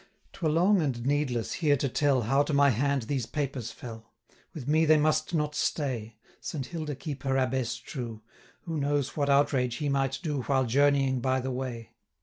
'Twere long, and needless, here to tell, How to my hand these papers fell; With me they must not stay. Saint Hilda keep her Abbess true! 680 Who knows what outrage he might do, While journeying by the way?